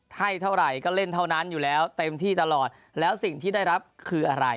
ให้เท่าไหร่ก็เล่นเท่านั้นอยู่แล้วเต็มที่ตลอดแล้วสิ่งที่ได้รับคืออะไร